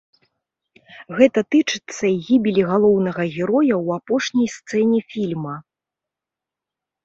Гэта тычыцца і гібелі галоўнага героя ў апошняй сцэне фільма.